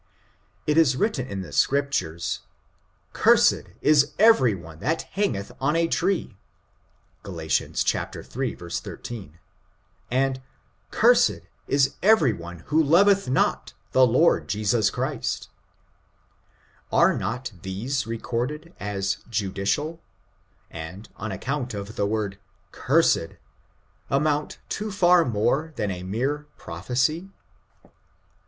It is Avritten in the Scriptures, ^^ cursed is every one that hangeth on a tree," Gal. iii, 13, and ^^ cursed is every one who loveth not the Lord Jesus Christ." Are not these recorded as judicial, and, on accomit of the word cursed^ amount to far more than a mere prophesy?